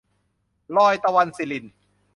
รอยตะวัน - สิริณ